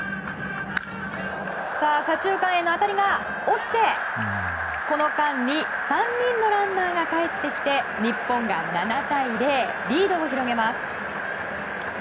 左中間への当たりが、落ちてこの間に３人のランナーがかえってきて日本が７対０リードを広げます。